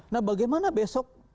nah bagaimana besok